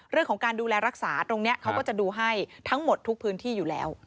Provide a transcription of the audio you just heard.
เรื่องของการดูแลรักษาตรงนี้เขาก็จะดูให้ทั้งหมดทุกพื้นที่อยู่แล้ว